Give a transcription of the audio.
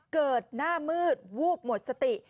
เกิดหน้ามืดวูบหมดสติ